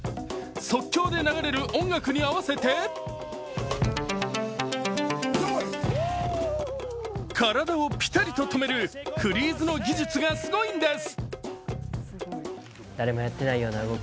即興で流れる音楽に合わせて体をピタリと止めるフリーズの技術がすごいんです。